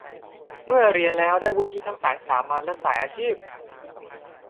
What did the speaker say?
เมื่อเรียนแล้วได้วุฒิทั้งสายสามัญ และ สายอาชีพ